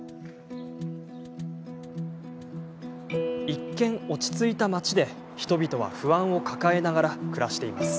一見、落ち着いた町で、人々は不安を抱えながら暮らしています。